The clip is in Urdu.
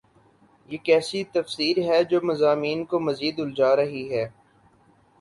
یہ کیسی تفسیر ہے جو مضامین کو مزید الجھا رہی ہے؟